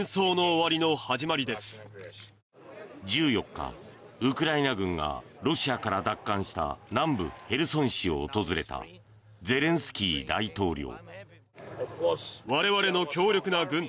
１４日、ウクライナ軍がロシアから奪還した南部ヘルソン市を訪れたゼレンスキー大統領。